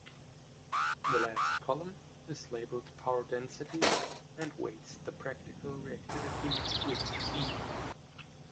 The last column is labeled "power density" and weights the practical reactivity with "E".